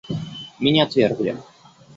Меня отвергли.